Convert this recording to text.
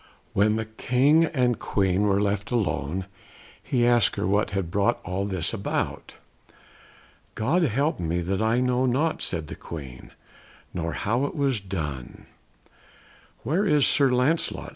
When the King and Queen were left alone he asked her what had brought all this about. "God help me, that I know not," said the Queen, "nor how it was done." "Where is Sir Lancelot?"